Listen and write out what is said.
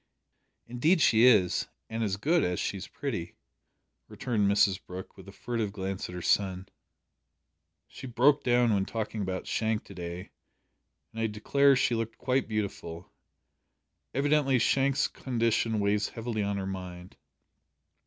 "Indeed she is and as good as she's pretty," returned Mrs Brooke, with a furtive glance at her son. "She broke down when talking about Shank to day, and I declare she looked quite beautiful! Evidently Shank's condition weighs heavily on her mind."